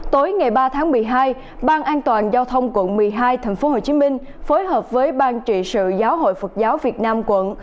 tối ngày ba tháng một mươi hai ban an toàn giao thông quận một mươi hai tp hcm phối hợp với ban trị sự giáo hội phật giáo việt nam quận